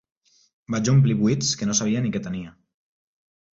Vaig omplir buits que no sabia ni que tenia.